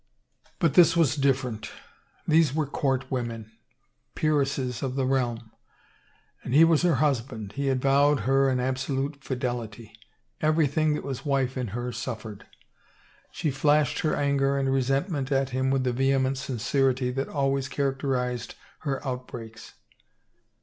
But this was different. These were court women, peeresses of the reahn. And he was her husband, he had vowed her an absolute fidelity. Everything that was wife in her suffered. She flashed her anger and resentment at him with the vehement sincerity that always characterized her out breaks.